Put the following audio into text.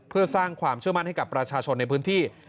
เพื่อสร้างความเชื่อมั่นให้กับประชาชนในพื้นที่